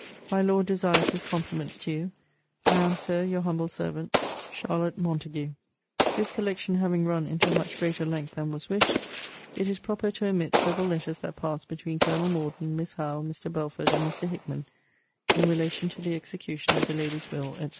My Lord desires his compliments to you. I am, Sir, Your humble servant, CH. MONTAGUE. This collection having run into a much greater length than was wished, it is proper to omit several letters that passed between Colonel Morden, Miss Howe, Mr. Belford, and Mr. Hickman, in relation to the execution of the lady's will, &c.